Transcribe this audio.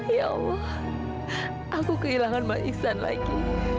ya allah aku kehilangan mas iksan lagi